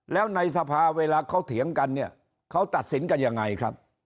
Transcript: แล้วในสภาเวลาเขาเถียงกันเนี่ยเขาตัดสินกันยังไงครับ